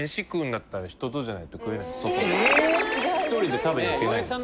１人で食べにいけないです。